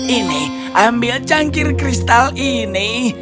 ini ambil cangkir kristal ini